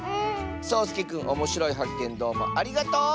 そうすけくんおもしろいはっけんどうもありがとう！